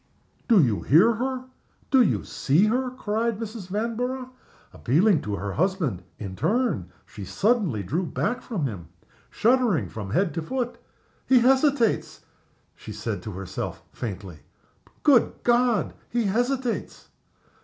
"Do you hear her? do you see her?" cried Mrs. Vanborough, appealing to her husband, in her turn. She suddenly drew back from him, shuddering from head to foot. "He hesitates!" she said to herself, faintly. "Good God! he hesitates!"